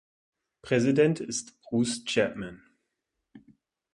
Präsident ist Bruce Chapman.